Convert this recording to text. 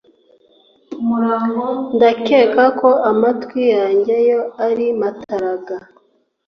ndakeka ko amatwi yange yo ari mataraga